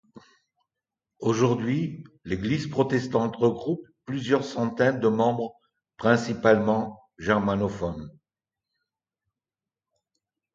Aujourd’hui, l’Église protestante regroupe plusieurs centaines de membres, principalement germanophones.